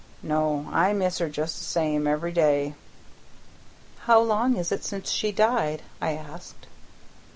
No, I miss her just the same every day." "How long is it since she died?" I asked.